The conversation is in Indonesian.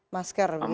masker begitu ya